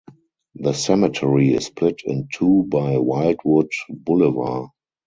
The cemetery is split in two by Wildwood Boulevard.